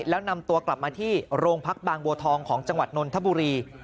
แล้วนำตัวกลับมาที่โรงพักบางบัวทองของจังหวัดนนทบุรี